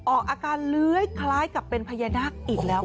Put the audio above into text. ออกอาการเลื้อยคล้ายกับเป็นพญานาคอีกแล้ว